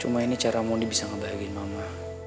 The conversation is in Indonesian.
cuma ini cara mondi bisa ngebahagiin mama